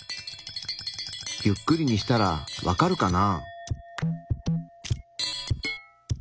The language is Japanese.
ゆっくりにしたらわかるかな？